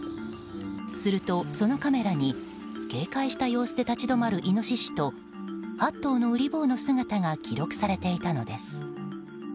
すると、そのカメラに警戒した様子で立ち止まるイノシシと８頭のウリ坊の姿が記録されていたのです。